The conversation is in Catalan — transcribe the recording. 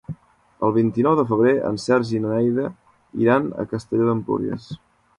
El vint-i-nou de febrer en Sergi i na Neida iran a Castelló d'Empúries.